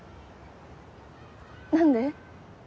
何で？